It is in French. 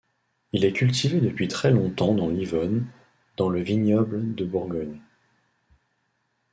Il est cultivé depuis très longtemps dans l'Yonne, dans le vignoble de Bourgogne.